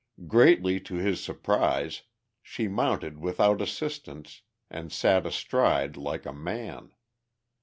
Greatly to his surprise, she mounted without assistance, and sat astride like a man.